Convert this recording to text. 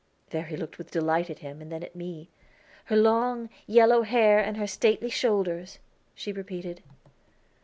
Verry looked with delight at him and then at me. "Her long, yellow hair and her stately shoulders," she repeated.